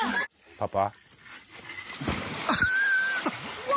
パパ。